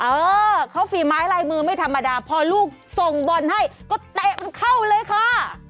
เออเขาฝีไม้ลายมือไม่ธรรมดาพอลูกส่งบอลให้ก็เตะมันเข้าเลยค่ะ